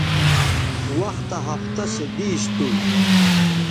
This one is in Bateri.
وختہ ہفتہ سو دیس تھو